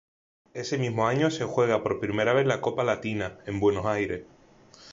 Ese mismo año se juega por primera vez la Copa Latina, en Buenos Aires.